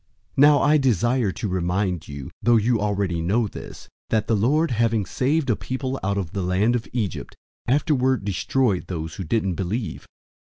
001:005 Now I desire to remind you, though you already know this, that the Lord, having saved a people out of the land of Egypt, afterward destroyed those who didn't believe.